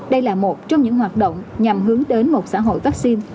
đây là một trong những hoạt động nhằm hướng đến một xã hội vaccine